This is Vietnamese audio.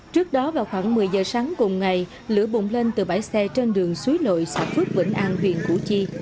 trước đó vào khoảng một mươi giờ sáng cùng ngày lửa bùng lên từ bãi xe trên đường suối nội xã phước vĩnh an huyện củ chi